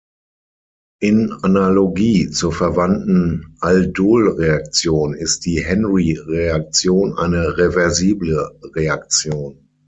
In Analogie zur verwandten Aldolreaktion ist die Henry-Reaktion eine reversible Reaktion.